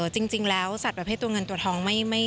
จริงแล้วสัตว์ประเภทตัวเงินตัวทอง